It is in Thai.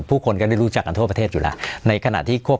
ผู้คนก็ได้รู้จักกันทั่วประเทศอยู่แล้วในขณะที่ควบ